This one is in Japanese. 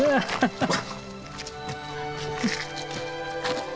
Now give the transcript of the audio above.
ハハハ。